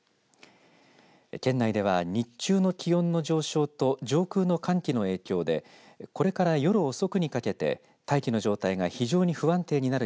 県内では、日中の気温の上昇と上空の寒気の影響でこれから夜遅くにかけて大気の状態が非常に不安定になる